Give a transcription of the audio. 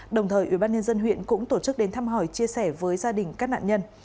đồng thời ubnd huyện cũng tổ chức đến thăm hỏi chia sẻ với gia đình các nạn nhân